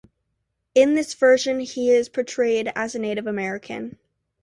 In this version he is portrayed as a Native American.